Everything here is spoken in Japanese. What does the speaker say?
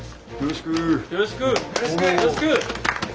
よろしく。